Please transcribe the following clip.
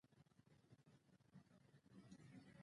په قرآن کریم کې الله سبحانه وتعالی فرمايي چې